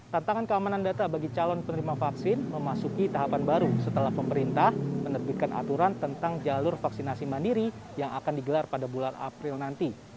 tantangan keamanan data bagi calon penerima vaksin memasuki tahapan baru setelah pemerintah menerbitkan aturan tentang jalur vaksinasi mandiri yang akan digelar pada bulan april nanti